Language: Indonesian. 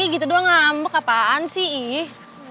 gitu doang ngambek apaan sih ini